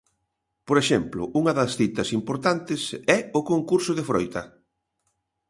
Por exemplo, unha das citas importantes é o concurso de froita.